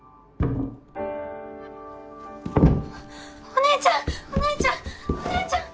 お姉ちゃんお姉ちゃんお姉ちゃん！